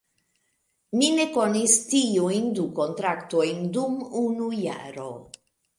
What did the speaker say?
Mi ne konis tiujn du kontraktojn dum unu jaro.